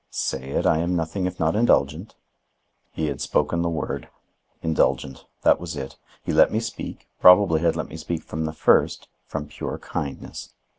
"Say it I am nothing if not indulgent." He had spoken the word. Indulgent, that was it. He let me speak, probably had let me speak from the first, from pure kindness.